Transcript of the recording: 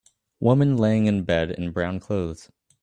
Woman laying in bed in brown clothes